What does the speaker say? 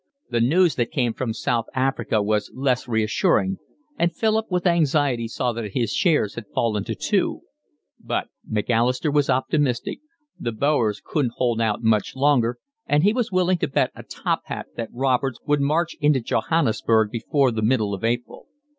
The news that came from South Africa was less reassuring, and Philip with anxiety saw that his shares had fallen to two; but Macalister was optimistic, the Boers couldn't hold out much longer, and he was willing to bet a top hat that Roberts would march into Johannesburg before the middle of April.